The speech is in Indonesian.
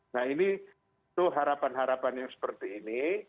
nah ini itu harapan harapan yang seperti ini